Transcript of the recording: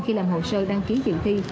khi làm hồ sơ đăng ký dự thi